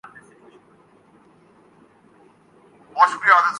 اس پہ نظر ہونی چاہیے۔